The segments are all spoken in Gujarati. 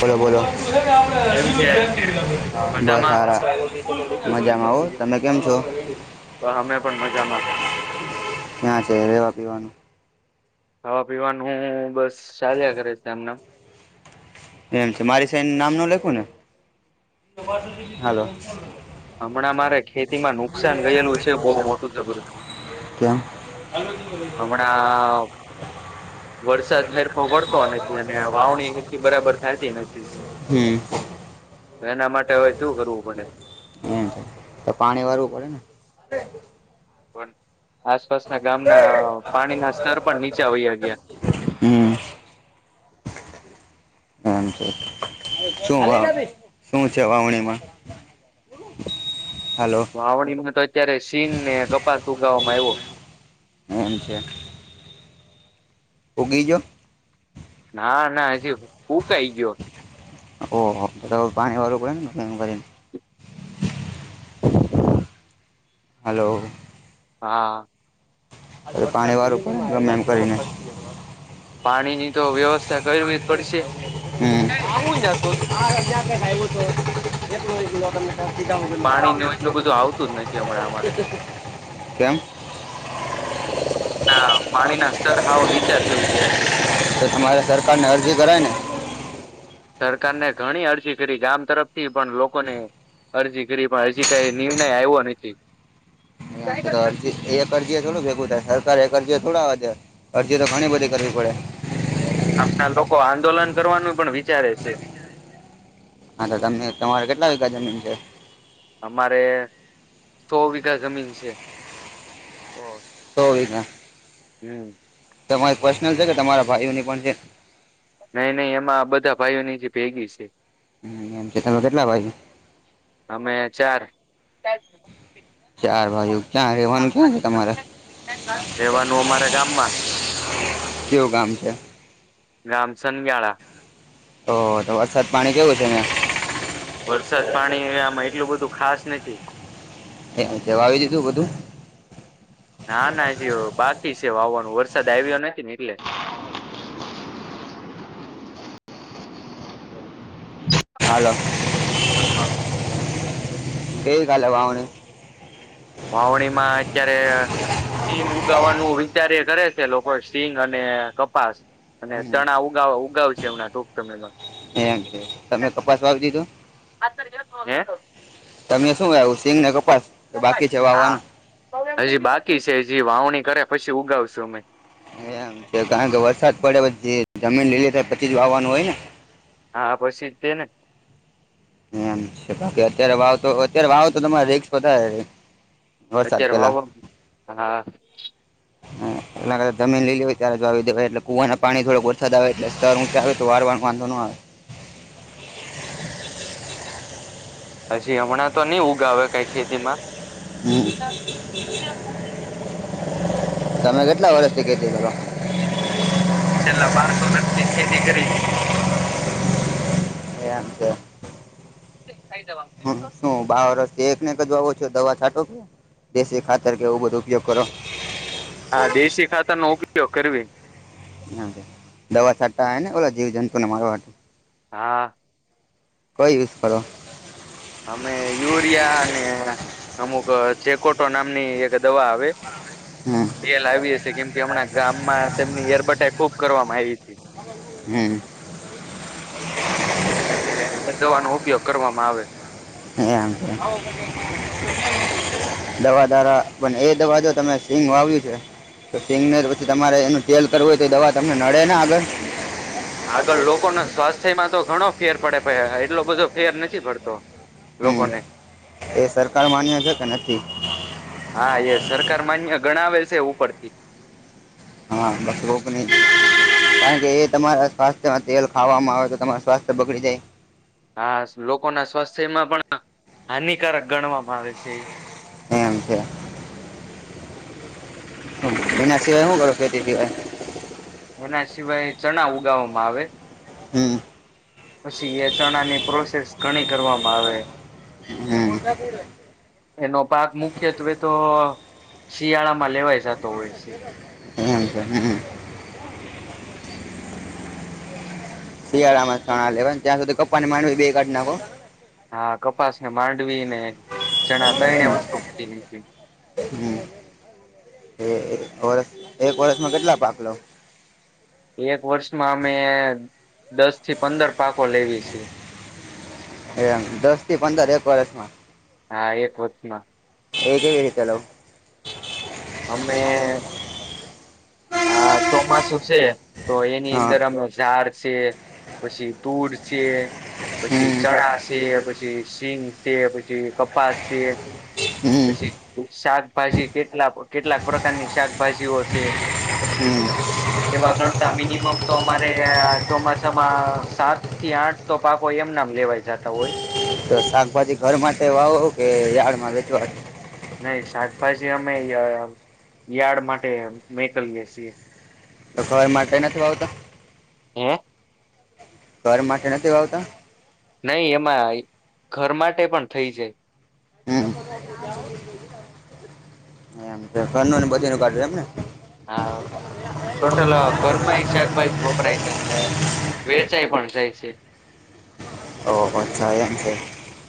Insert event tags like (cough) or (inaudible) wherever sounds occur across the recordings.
બોલો બોલો. (unintelligible) બસ કેમ છે મજામાં સારા મજામાં આવ તમે કેમ છો. તો અમે પણ મજામાં. ક્યાં છે રહેવા પીવાનું. ખાવા પીવાનું બસ ચાલ્યા કરે છે એમનેમ. એમ છે મારી સાઇડ નામ ન લખું ને હાલો. હમણાં મારે ખેતી માં નુકસાન ગયેલું છે બહુ મોટું જબર કેમ હમણાં. વરસાદ હેરફ વરતો નથી અને વાવણી બરાબર થાય ન (inaudible) (inaudible) (unintelligible) એ તો પાણી ભરવું પડે ને (inaudible) (unintelligible) આસપાસના ગામના પાણીના સ્તર પણ નીચા હોયયા ગયા હમ (inaudible) એમ છે. શું વા- શું છે? વાવણીમાં હાલો વાવણીમાં તો અત્યારે સીન ને કપાસ ઉગાવામાં આવ્યો. હમ છેે. ઊંઘી ગયો? ના ના હજી ઉકાઈ ગયો ઓહો! પાણી વાર (unintelligible) હલો! હા. અરે પાણી વારું પણ ગમે એમ કરીને. પાણીની તો વ્યવસ્થા કરવી જ પડશે હમ. પાણીને એટલું બધું આવતું જ નથી હમણાં અમારે (inaudible) (inaudible) કેમ. ભાવ હાવ નીચા થઈ ગયા છે. તો તમારે સરકાર ને અરજી કરાય ને સરકારને ઘણી અરજી કરી ગામ તરફથી પણ લોકોને અરજી કરી પણ હરજી કઈ નિર્ણય આવ્યો નથી. તો અરજી એક અરજી થોડું ભેગું થાય. સરકાર એ અરજી થોડા વધજે અરજી તો ઘણી બધી કરવી પડે. આપણા લોકો આંદોલન કરવાનું પણ વિચારે છે. હા તો તમે તમારે કેટલા વીઘા જમીન છે અમારે સો વીઘા જમીન છે. સો વીઘા. હમ. તમારી પર્સનલ છે? કે તમારા ભાઈઓની પણ છે? નહી નહી એમાં બધા ભાઈઓની જે ભેગી છે. મ તમે કેટલા બાજુ અમે ચાર ચાર ભાઈઓ ક્યાં રહેવાનું ક્યાં છે તમારે એવાનું મારે ગામમાં. કેવું ગામ છે ગામસન ગયાળા ઓ તો વરસાદ પાણી કેવું છે? વરસાદ પાણી આમાં એટલું બધું ખાસ નથી. હ જવા આવી દી છું બધું ના ના જ બાકી છે. વાવાનો વરસાદ આવ્યો નથી, ને એટલે હાલો! હ. કઈ ગ લ વા હની વાવણી માં અત્યારે સિંગ ઉગાવાનું વિચાર એ કરે છે. લોકો સિંગ અને કપાસ અને હમ ચણા ઉગા ઉગાવશે એમના ટક તમે એમ છે. તમે કપાસ વાવી દીધું? તમે શું વાઈવું સિંગ ને કપાસ કે બાકી છે. વાવાનું હજી બાકી છે હજી વાવણી કરે પછી ઉગાવશું અમે એમ છે, કારણ કે વરસાદ પડે પછી જમીન લીલી થાય પછી જ વાવાનું હોય ને હા પછી તે ને. એમ છે, બાકી અત્યારે વાવ તો અત્યારે વાવો તો તમારે રિકસ વધારે વરસાદ અત્યારે પહેલા વાવા હા. એલા જમીન લીલી હોયે ત્યારે જો આવી દેવાય એટલે કુવાના પાણી થોડક વરસાદ આવે એટલે સ્તર ઊંચા આવે તો વળવા નો વાંધો નો આવે. (inaudible) હજી હમણાં તો નઈ ઊગાવે કઈ ખેતી માં તમે કેટલા વર્ષથી ખેતી કરો. છેલ્લા પાંચ વર્ષથી ખેતી કરી એમ છે. થઈ જવા તે એકનેક જ વાવો છો દવા છાંટો કે દેશી ખાતર કે એવું બધો ઉપયોગ કરો. હા દેશી ખાતર નો ઉપયોગ કરવી દવા છાટા ને ઓલા જીવ જંતુને મારવા હા. કોઈ યુઝ કરો. અમે યુરિયા અને અમુક ચેકોટો નામની એક દવા આવે હમ તે લાવી હશે કેમ કે હમણાં ગામમાં તેમની એરબટાઈ ખુબ કરવામાં આવી હતી. હમ્મ. (inaudible) દવા નો ઉપયોગ કરવામાં આવે. એમ (unintelligible) દવા દારા પણ એ દવા જો તમે હિંગ વાવ્યું છે. તો સિંગનેર પછી તમારે એનું તેલ કરવું હોય તો એ દવા તમને નડે ના આગળ આગળ લોકો ના સ્વાસ્થ્યમાં તો ઘણો ફેર પડે પણ એટલો બધો ફેર નથી પડતો. હમ્મ લોકોને એ સરકાર માન્ય છે કે નથી. હા એ સરકાર માન્ય ગણાવે છે ઉપરથી હ બા શ્લોકની કારણ કે એ તમારા સ્વાસ્થ્યમાં તેલ ખાવામાં આવે તો તમારું સ્વાસ્થ્ય બગડી જાય. હા લોકો ના સ્વાસ્થ્યમાં પણ હાનિકારક ગણવામાં આવે છે. એમ છે. એના સિવાય હું કરો ખેતી સિવાયે એના સિવાય ચણા ઉગાવામાં આવે. હમ્મ. પછી એ ચણાની પ્રોસેસ ઘણી કરવામાં આવે. હમ એનો પાક મુખ્યત્વે તો શિયાળા માં લેવાય છે જાતો હોય છે. એમ છે હે. શિયાળા માં લેવા ત્યાં સુધી કપ્પા માં બે કાઢ નાખો. હા કપાસ ને માંડવી ને ચણા ત્રણે વસ્તુ કાઢી હમ્મ. એક વર્ષમાં કેટલા પાક લો. એક વર્ષમાં અમે દસ થી પંદર પાકો લેઈ લિયે છીએ. (inaudible) એમ દસ થી પંદર એક વર્ષમાં. હા એક (unintelligible) એજ એતેલો અમે હા ચોમાસુ છે તો એની હા અંદર અમે ઝાર છે પછી તૂર છે પછી હમ ચણા છે પછી પછી સિંગ છે પછી કપાસ છે હમ પછી શાક ભાજી કેટલા કેટલાક પ્રકારની શાકભાજીઓ છે. હમ્મ. એવા ગણતા મિનિમમ તો અમારે ચોમાસામાં સાત થી આઠ તો પાક હોય. એમ નામ લેવાય જતા હોય. તો શાકભાજી ઘર માટે વાવો કે યાર્ડમાં વેચવા? નહી શાકભાજી અમે યાર્ડ માટે મેકલીએ છીએ. તો ઘર માટે નથી વાવતા! હૈ ઘર માટે નથી વાવતા! નહી એમાં ઘર માટે પણ થઈ જાય. હમ્મ. એમ ઘનુંને બધીનું કાઢ એમને હા ટોટલ ઘર માં શાકભાજી કઈક વપરાય છે વેરચાઈ પણ જાય છે. છે. ઓ હો એમ છે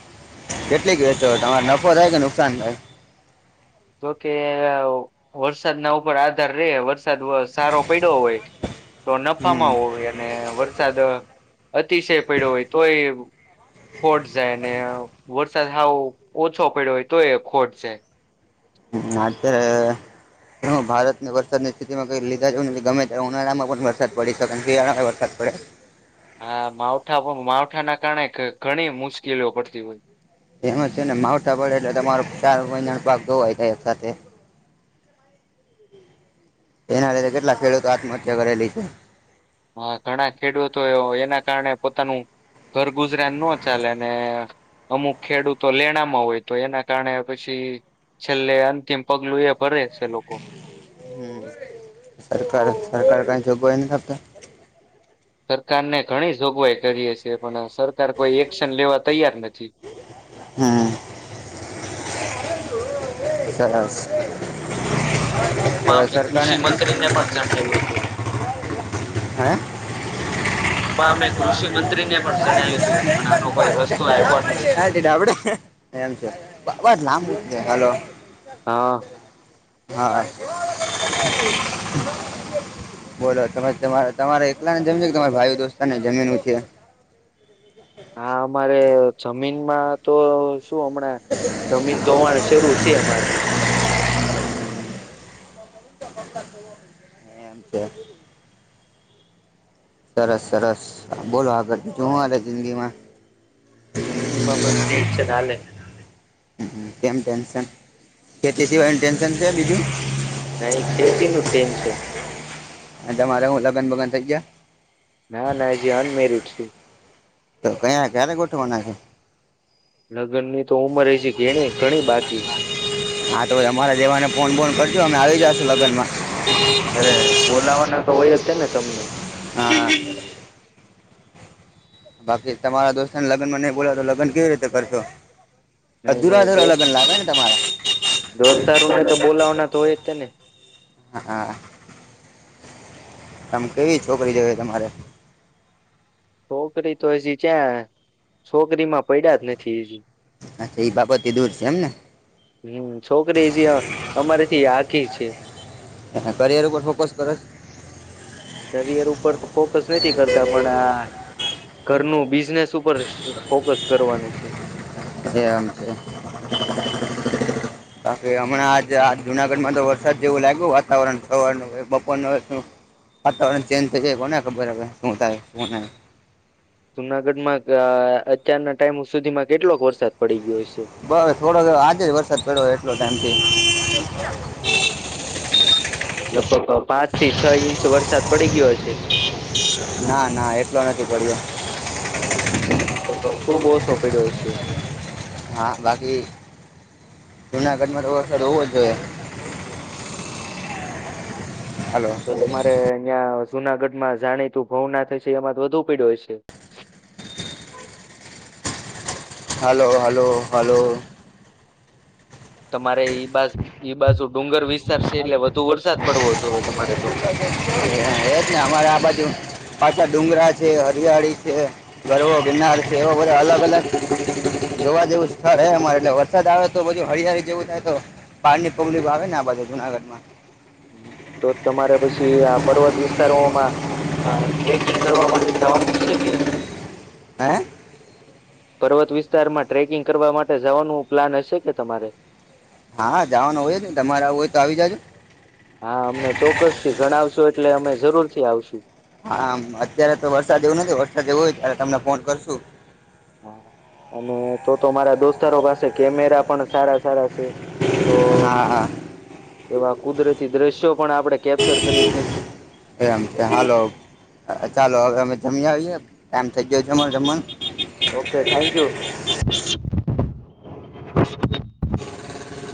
- કેટલીક વેચો તમારો નફો થાય કે નુકસાન થાય જોકે વરસાદના ઉપર આધાર રે વરસાદ સારો પડ્યો હોય તો હમ નફામાં હોય અને વરસાદ અતિશય પડ્યો હોય તોય ખોટ જાય ને વરસાદ હાવ ઓછો પડ્યો હોય તો એ ખોટ જાય. હમ આત્યારે હું ભારતને વરસાદની સ્થિતિમાં કઈ લીધા ગમે ઉનાળામાં પણ વરસાદ પડી શકે શિયાળામાં વરસાદ (unintelligible) હા માવઠા પણ માવઠા ના કારણે ઘણી મુશ્કેલીઓ પડતી હોય એમ છે ને માવઠા પડે એટલે તમારો ચાર મહિનાનો પાક જોવાય થાય સાથે. એના લીધે કેટલા ખેડૂતો આત્મહત્યા કરેલી છે. હા ઘણા ખેડૂતો એ એના કારણે પોતાનું ઘરગુજરાને નો ચાલેને અમુક ખેડૂતો લેણામાં હોય તો એના કારણે પછી છેલ્લે અંતિમ પગલું એ ભરે છે લોકો હમ સરકાર સરકાર કંઈ‌ જોગવાઈ નથી આપતા! સરકાર ને ઘણી જોગવાઈ કરીએ છેએ પણ સરકાર કોઈ એક એક્શન લેવા તૈયાર નથી. હમ એ (unintelligible) મામલે કૃષિ મંત્રીને પણ જણાવ્યું હતું. હે (inaudible) કૃષિ મંત્રીને પણ જણાવ્યું હતું પણ આનો કોઈ રસ્તો આવ્યો નહી છે. ટ આપડે એમ છે જ લાંબ હલો હા. હા. બોલો તમે તમા તમારે એકલા ને જમીનો છે કે તમારા ભાઈઓ દોસ્તારની જમીનો છે? હા અમારે જમીનમાં તો શું હમણાં જમીન ધોવાણ શરૂ છે અમારે ટમ (unintelligible) સરસ સરસ બોલો આગળ બીજું હું હાલે જિંદગીમાં! જિંદગી પણ ટેન્શન હાલે હ કેમ ટેન્શન ખીતી સિવાયનું ટેન્શન છે બીજું! નહી ખેતી નું ટેન્શન. હ જામલે હું લગન બગન થ ગયા ના નાજી અનમેરિડ શું તો કયા ક્યારે ગોઠવા નાખે લગ્ન ની તો ઉંમર હ છે ઘણી ઘણી બાકી હા તો અમારા જેવાને ફોન બોન કરજો અમે આવી જાશું લગનમાં. (unintelligible) (inaudible) અરે બોલાવાના તો હોય જ છે ને તમને હા બાકી તમારા દોસ્તને લગનમાં નઈ બોલા તો લગન કેવી રીતે કરશો? નહી અધુરા નહી અધુરા દોસ્ત લગન લાગેને તમારે. (inaudible) દોસ્તારોને તો બોલાવાના તો હોય જ તે ને હ! આમ કેવી છોકરી જોઈ તમારે. છોકરી તો હજી ચ્યા છોકરી માં પડ્યા જ નથી હજી. અચ્છા એ બાબતથી દૂર છે એમ ને હમ છોકરી જે અમારેથી યાદ. કી છે. કરિયર ઉપર ફોકસ કરો કરિયર ઉપર તો ફોકસ નથી કરતા પણ આ ઘરનું બીઝ બિઝનેસ ઉપર ફોકસ કરવાનું છે. એમ છે. કાર હમણાં આજ જુનાગઢ માં તો વરસાદ જેવું લાગ્યું વાતાવરણવારનું બપોર ન હોય. વાતાવરણ ચેન્જ થઈ જાય કોને ખબર હ શું થાય શું નહી. જુનાગઢમાં અત્યારના ટાઈમો સુધીમાં કેટલોક વરસાદ પડી ગયો છે. બસ થોડો આજે જ વરસાદ પડ્યો એટલો ટાઈમ થ (inaudible) લગભગ પાંચ થી છ ઇંચ વરસાદ પડી ગયો છે. ના ના એટલો નથી. પડ્યો ખુબ ઓછો પડ્યો છે. હા બાકી જુનાગઢમાં તો વરસાદ હોવો જ જોઈએ. હાલો તો તમારે અહીંયા. જુનાગઢમાં જાણીતું ભવનાથય છે એમાં તો વધુ પયડો હશે. Hello hello hello. તમારે એ બાજ. ઈ બાજુ ડુંગર વિસ્તાર છે એટલે વધુ વરસાદ પડવો જોવે તમારે તો. બરાબર! પાછા ડુંગરા છે હરિયાળી છે ગરવો ગિરનાર છે એવા બધા અલગ અલગ. જોવા જેવું સ્થળ હે અમારે એટલે વરસાદ આવે તો હરિયાળી જેવું થાય તો પાણીની. કુલદીપ આવે ને આ બાજુ જૂનાગઢમાં. તો તમારે પછી આ પર્વત વિસ્તારોમાં. હા ટ્રેકિંગ કરવા માટે જવાનું છે કે. હે. પર્વત વિસ્તારમાં ટ્રેકિંગ કરવા માટે જવાનું પ્લાન હશે કે તમારે. હા હા જાવાનું હોય ને તમારે હોય તો આવી જજો. હા અમને ચોક્કસ થી ગણાવશો એટલે અમે જરૂર થી આવશું. હા અત્યારે તો વરસાદ એવું નથી વરસાદ જેવું હોય ત્યારે તમને ફોન કરશું. હા અને તો તો મારા દોસ્તારો પાસે કેમેરા પણ સારા. સાર તો હા હા એવા કુદરતી દ્રશ્યો. પણ આપણે કેપ્ચર કરી શકીએ. એમ છે હાલો ચાલો હવે અમે જમ્યાવી. ટાઈમ થઈ ગયો જમણ જમણ. Okay thank you. (inaudible)